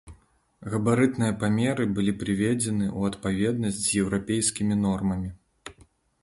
Габарытныя памеры былі прыведзены ў адпаведнасць з еўрапейскімі нормамі.